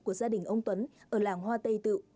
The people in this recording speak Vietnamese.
của gia đình ông tuấn ở làng hoa tây tự